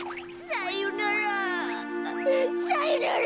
さよなら。